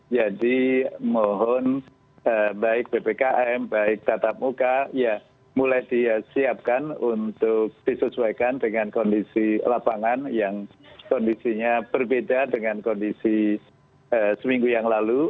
jadi mohon baik bpkm baik tatap muka ya mulai disiapkan untuk disesuaikan dengan kondisi lapangan yang kondisinya berbeda dengan kondisi seminggu yang lalu